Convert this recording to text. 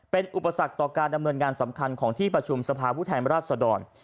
เป็นอุปสรรคต่อการดำเนินงานสำคัญของที่ประชุมสภาพผู้แทนราชดร